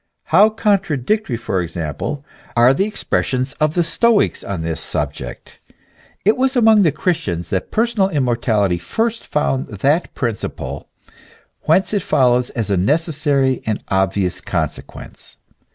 How contradictory, for example, are the expressions of the Stoics on this subject! It was among the Christians that personal immortality first found that prin ciple, whence it follows as a necessary and obvious conse quence.